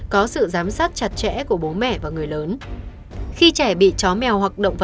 có sự giám sát chặt trẻ của bố mẹ và người lớn